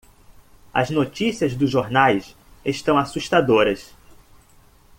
as notícias dos jornais estão assustadoras